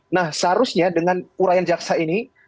nah seharusnya dengan urayan jaksa ini